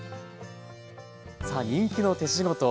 さあ人気の手仕事。